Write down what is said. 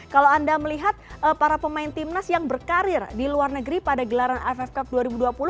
kalau anda melihat para pemain timnas yang berkarir di luar negeri pada gelaran aff cup dua ribu dua puluh